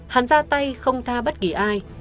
hắn ra tay không tha bất kỳ ai